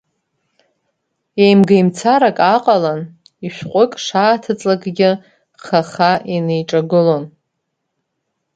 Еимгеимцарак ааҟалан, ишәҟәык шааҭыҵлакгьы хаха инеиҿагылон.